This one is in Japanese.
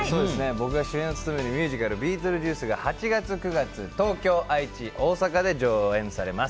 僕が主演を務めるミュージカル「ビートルジュース」が８月、９月東京、愛知、大阪で上演されます。